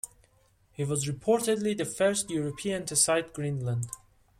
He was reportedly the first European to sight Greenland.